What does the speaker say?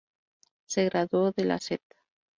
Se graduó de la St.